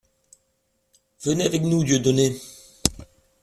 Venez avec nous Dieudonné!